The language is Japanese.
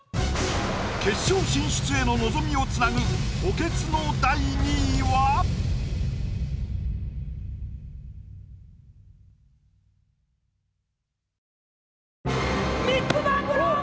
決勝進出への望みをつなぐ補欠の第２位は⁉ミッツ・マングローブ！